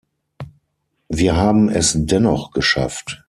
Wir haben es dennoch geschafft.